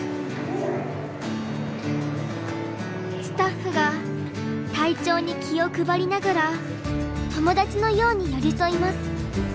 スタッフが体調に気を配りながら友だちのように寄り添います。